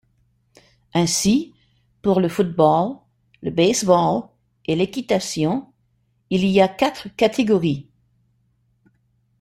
Ainsi, pour le football, le baseball et l'équitation, il y a quatre catégories.